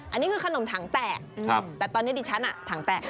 อันนี้คือขนมถังแตกแต่ตอนนี้ดิฉันถังแตก